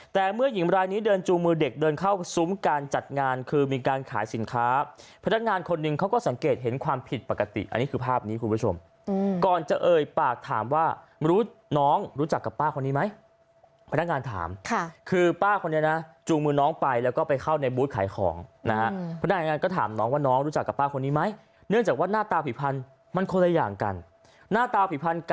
แต่เมื่อหญิงวัยนี้เดินจูงมือเด็กเดินเข้าซุ้มการจัดงานคือมีการขายสินค้าพนักงานคนหนึ่งเขาก็สังเกตเห็นความผิดปกติอันนี้คือภาพนี้คุณผู้ชมก่อนจะเอ่ยปากถามว่าน้องรู้จักกับป้าคนนี้ไหมพนักงานถามคือป้าคนนี้นะจูงมือน้องไปแล้วก็ไปเข้าในบูธขายของนะฮะพนักงานก็ถามน้องว่าน้องรู้จักกับป